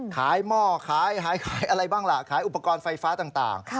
หม้อขายขายอะไรบ้างล่ะขายอุปกรณ์ไฟฟ้าต่าง